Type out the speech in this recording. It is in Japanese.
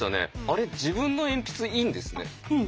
あれ自分の鉛筆いいんですね。